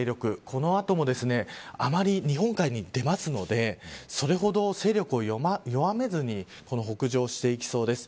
この後も日本海に出ますのでそれほど勢力を弱めずに北上していきそうです。